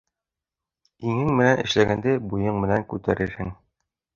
Иңең менән эшләгәнде буйың менән күтәрерһең.